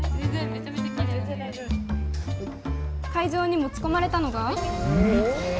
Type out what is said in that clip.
会場に持ち込まれたのが。